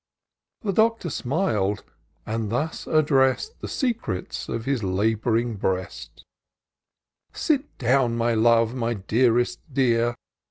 The Doctor smil'd, and thus address'd The secrets of his lab'ring breast " Sit down, my love, my dearest dear.